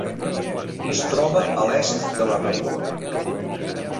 Es troba a l'est de la república.